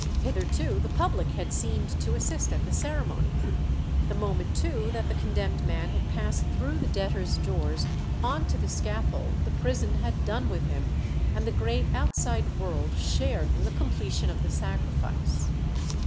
Hitherto the public had seemed to assist at the ceremony; the moment too that the condemned man had passed through the debtors' door on to the scaffold the prison had done with him, and the great outside world shared in the completion of the sacrifice.